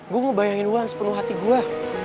gue ngebayangin wulan sepenuh hati gue